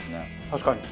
確かに。